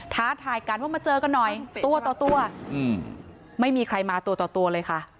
ท้าทายกันว่ามาเจอกันหน่อยตัวไม่มีใครมาตัวเลยค่ะ